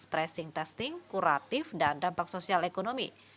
tracing testing kuratif dan dampak sosial ekonomi